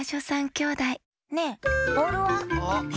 きょうだいねえボールは？